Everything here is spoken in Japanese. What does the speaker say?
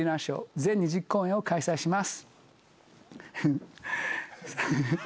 全２０公演を開催します。